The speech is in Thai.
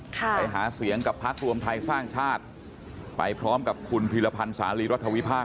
ไปหาเสียงกับพักรวมไทยสร้างชาติไปพร้อมกับคุณพีรพันธ์สาลีรัฐวิพากษ